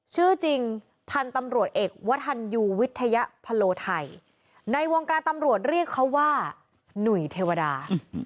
ชื่อจริงพันธุ์ตำรวจเอกวทันยูวิทยาพโลไทยในวงการตำรวจเรียกเขาว่าหนุ่ยเทวดา